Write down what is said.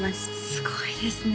すごいですね